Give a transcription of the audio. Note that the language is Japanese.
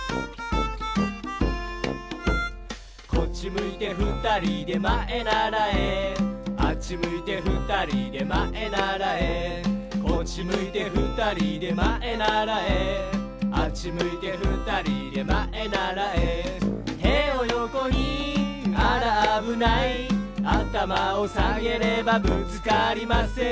「こっちむいてふたりでまえならえ」「あっちむいてふたりでまえならえ」「こっちむいてふたりでまえならえ」「あっちむいてふたりでまえならえ」「てをよこにあらあぶない」「あたまをさげればぶつかりません」